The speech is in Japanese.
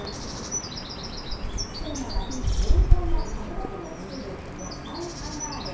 作るのはレンコンやカブだけで作る野菜ハンバーグ。